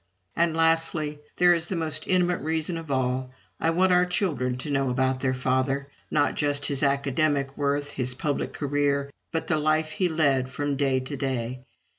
And, lastly, there is the most intimate reason of all. I want our children to know about their father not just his academic worth, his public career, but the life he led from day to day.